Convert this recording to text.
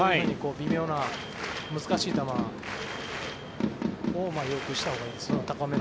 微妙な難しい球を要求したほうがいいですよね。